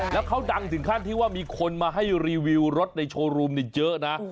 แล้วเขาดังถึงขั้นที่ว่ามีคนมาให้รีวิวรถในโชว์รูมเยอะนะ